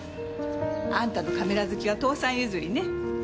あんたのカメラ好きは父さん譲りね。